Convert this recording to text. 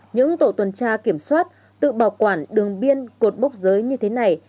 những tổ tuần tra kiểm soát tự bảo quản đường biên cột mốc giới như thế này